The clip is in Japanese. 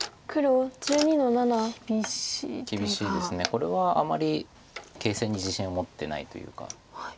これはあまり形勢に自信を持ってないというか。